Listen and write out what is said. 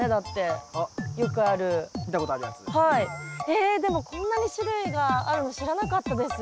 えでもこんなに種類があるの知らなかったです。